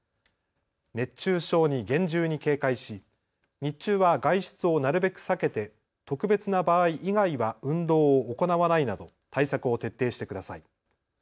熱中症に厳重に警戒し日中は外出をなるべく避けて特別な場合以外は運動を行わないなど対策を徹底してください。